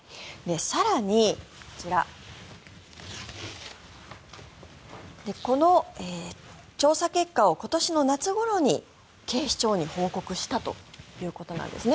更に、こちらこの調査結果を今年の夏ごろに警視庁に報告したということなんですね。